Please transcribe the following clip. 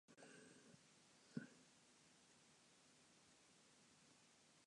空が青くて綺麗だ